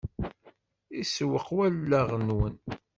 Isewweq wallaɣ-nwen.